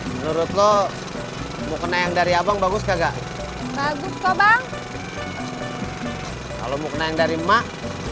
menurut lo mau kena yang dari abang bagus kagak bagus kok bang kalau mau kena yang dari mak